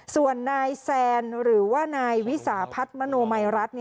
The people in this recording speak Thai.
ส่วนนายแซนหรือว่านายวิสาพัฒน์มโนมัยรัฐ